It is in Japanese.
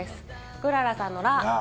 くららさんの「ら」。